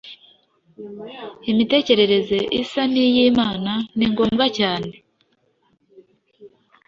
Imitekerereze isa n’iy’Imana ni ngombwa cyane